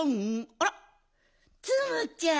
あらツムちゃん